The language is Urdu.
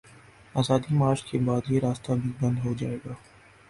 آزادی مارچ کے بعد، یہ راستہ بھی بند ہو جائے گا۔